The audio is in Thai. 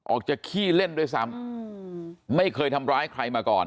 จะขี้เล่นด้วยซ้ำไม่เคยทำร้ายใครมาก่อน